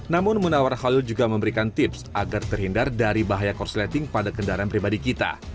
namun munawar khalil juga memberikan tips agar terhindar dari bahaya korsleting pada kendaraan pribadi kita